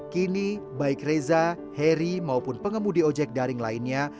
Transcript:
kini baik reza heri maupun pengemudi ojek daring lainnya